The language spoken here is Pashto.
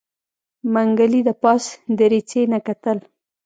منګلي د پاس دريڅې نه کتل.